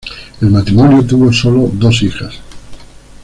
El matrimonio tuvo solo dos hijas.